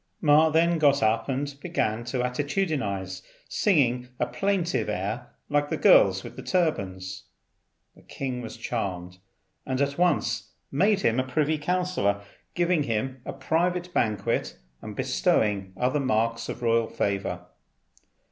Ma then got up and began to attitudinize, singing a plaintive air like the girls with the turbans. The king was charmed, and at once made him a privy councillor, giving him a private banquet, and bestowing other marks of royal favour.